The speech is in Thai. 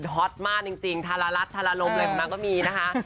ฮอตมากจริงทาระลัดทาระลมอะไรแบบนั้นก็มีนะคะ